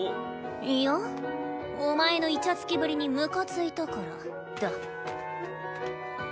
いやお前のイチャつきぶりにムカついたからだ。